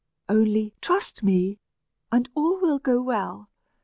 Only trust me, and all will go well.